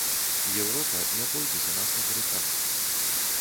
Еўропа не пойдзе за нас на барыкады.